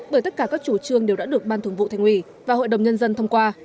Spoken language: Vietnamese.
bởi tất cả các chủ trương đều đã được ban thường vụ thành ủy và hội đồng nhân dân thông qua